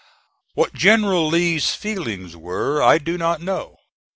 What General Lee's feelings were I do not know.